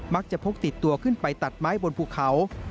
พกติดตัวขึ้นไปตัดไม้บนภูเขา